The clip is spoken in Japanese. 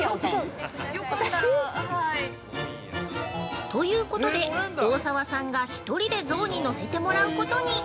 ◆ということで大沢さんが１人で象に乗せてもらうことに！